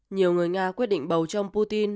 nhiều người nga quyết định bầu cho ông putin